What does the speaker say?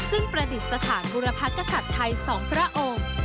ซึ่งประดิษฐานบุรพกษัตริย์ไทย๒พระองค์